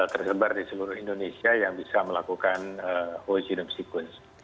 tersebar di seluruh indonesia yang bisa melakukan whole genome sequence